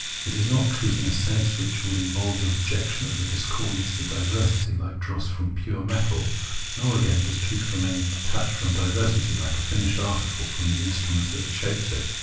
But it is not truth in a sense which would involve the rejection of the discordance, the diversity, hke dross from pure metal ; nor, again, does truth remain detached from diversity, hke a finished article from the instrument that shapes it.